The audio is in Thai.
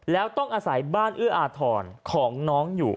แล้วต้องอาศัยบ้านเอื้ออาทรของน้องอยู่